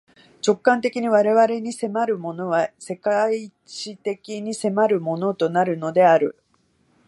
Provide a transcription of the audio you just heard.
直観的に我々に迫るものは、世界史的に迫るものとなるのである。